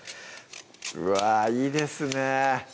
うわいいですね